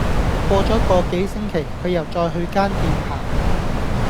過左個幾星期，佢又再去間店行